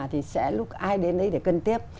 thì sẽ lúc ai đến đấy thì cân tiếp